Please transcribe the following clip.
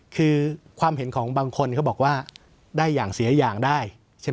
คือความเห็นของบางคนเขาบอกว่าได้อย่างเสียอย่างได้ใช่ไหม